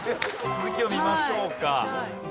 続きを見ましょうか。